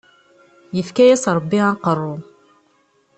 Yefka-yas rebbi aqerru.